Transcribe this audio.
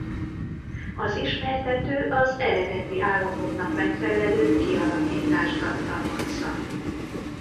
Az ismertető az eredeti állapotnak megfelelő kialakítást tartalmazza.